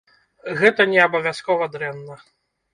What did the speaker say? Гэта не абавязкова дрэнна.